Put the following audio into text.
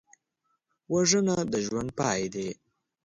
وژنه د ژوند پای دی